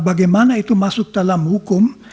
bagaimana itu masuk dalam hukum